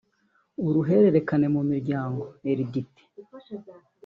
uruhererekane mu miryango (Heredité)